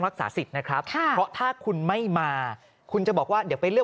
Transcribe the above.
พอกรกตอุทตรนี้บอกว่า